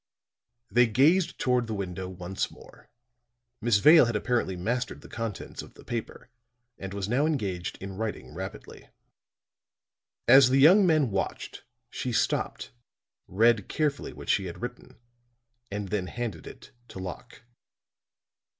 They gazed toward the window once more, Miss Vale had apparently mastered the contents of the paper, and was now engaged in writing rapidly. As the young men watched, she stopped, read carefully what she had written, and then handed it to Locke.